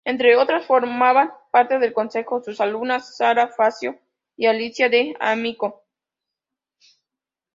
Entre otras, formaban parte del consejo sus alumnas Sara Facio y Alicia D'Amico.